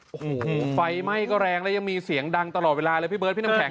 โอ้โหไฟไหม้ก็แรงแล้วยังมีเสียงดังตลอดเวลาเลยพี่เบิร์ดพี่น้ำแข